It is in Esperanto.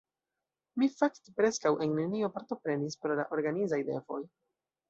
Mi fakte preskaŭ en nenio partoprenis pro la organizaj devoj.